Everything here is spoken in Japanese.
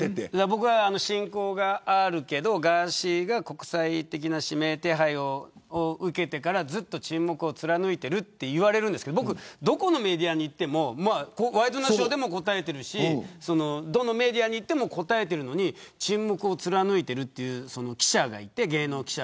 僕は親交があるけどガーシーが国際的な指名手配を受けてからずっと沈黙を貫いていると言われるんですけどどこのメディアにいってもワイドナショーでも答えているしどこのメディアでも答えているのに沈黙を貫いているという記者がいて。